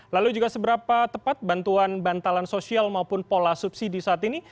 lalu juga seberapa tepat bantuan bantalan sosial maupun pola subsidi saat ini